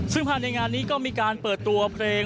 ซึ่งภายในงานนี้ก็มีการเปิดตัวเพลง